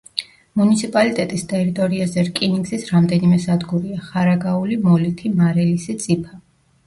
მუნიციპალიტეტის ტერიტორიაზე რკინიგზის რამდენიმე სადგურია: ხარაგაული, მოლითი, მარელისი, წიფა.